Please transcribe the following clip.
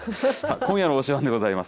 今夜の推しバン！でございます。